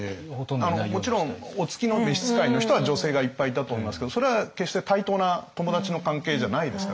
もちろんお付きの召し使いの人は女性がいっぱいいたと思いますけどそれは決して対等な友達の関係じゃないですからね。